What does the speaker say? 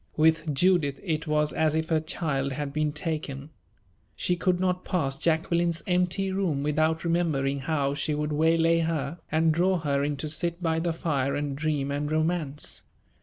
With Judith it was as if her child had been taken. She could not pass Jacqueline's empty room without remembering how she would waylay her, and draw her in to sit by the fire and dream and romance.